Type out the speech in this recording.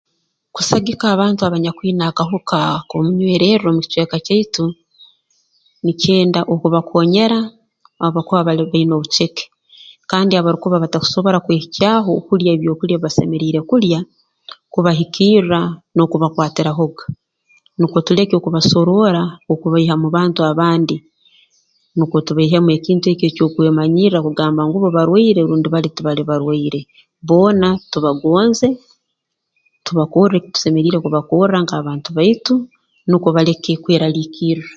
Kusagika abantu abanyakwine akahuka ak'omunywererro mu kicweka kyaitu nikyenda okubakonyera abakuba bali baine obuceke kandi abarukuba batarukusobora kwehikyaho okulya ebyokulya ebi basemeriire kulya kubahikirra n'okubakwatirahoga nukwo tuleke okubasoroora okubaiha mu bantu abandi nukwo tubaihemu ekintu eki eky'okwemanyirra kugamba ngu bo barwaire rundi bali tibali barwaire boona tubagonze tubakorre ebi tusemeriire kubakorra nk'abantu baitu nukwo baleke kweraliikirra